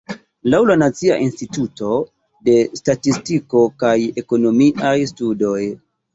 Laŭ la Nacia Instituto de Statistiko kaj Ekonomiaj Studoj.